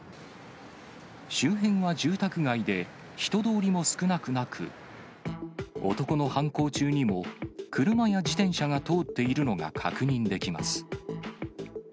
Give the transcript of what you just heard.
周辺は住宅街で、人通りも少なくなく、男の犯行中にも、車や自転車が通っているのが確認できます。